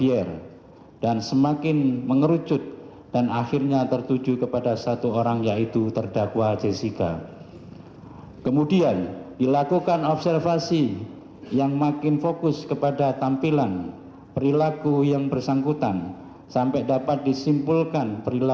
di dalam cairan lambung korban yang disebabkan oleh bahan yang korosif